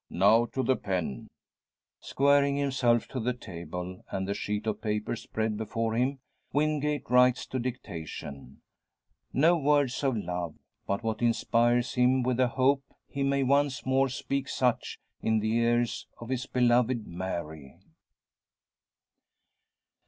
"Now to the pen!" Squaring himself to the table, and the sheet of paper spread before him, Wingate writes to dictation. No words of love, but what inspires him with a hope he may once more speak such in the ears of his beloved Mary!